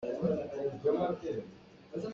Sakuhhruk hi Laimi nih thawi tenhnak ah an hman.